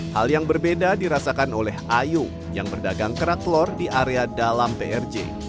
hal yang berbeda dirasakan oleh ayu yang berdagang kerak telur di area dalam trj